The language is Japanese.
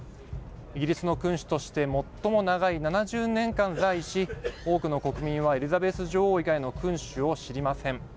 イギリスの君主として最も長い７０年間在位し多くの国民はエリザベス女王以外の君主を知りません。